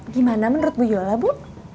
gimana menurut bu yola bu